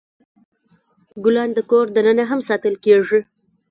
ګلان د کور دننه هم ساتل کیږي.